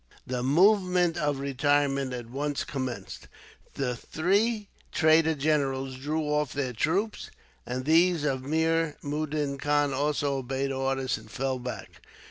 The movement of retirement at once commenced. The three traitor generals drew off their troops, and those of Mir Mudin Khan also obeyed orders, and fell back.